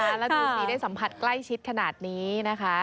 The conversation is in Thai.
แล้วดูสิได้สัมผัสใกล้ชิดขนาดนี้นะคะ